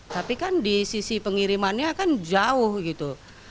tapi kan di sisi pengirimannya kan jauh gitu